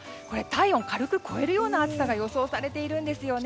体温軽く超えるような暑さが予想されているんです。